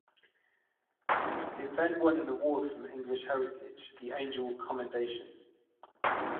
It then won an award from English Heritage, the Angel Commendation.